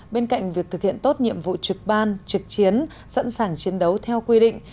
bên cạnh việc thực hiện tốt nhiệm vụ trực ban trực chiến sẵn sàng chiến đấu theo quy định